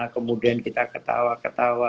kemudian kita ketawa ketawa